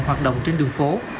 hoạt động trên đường phố